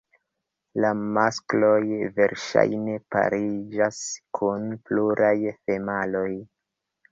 La maskloj verŝajne pariĝas kun pluraj femaloj.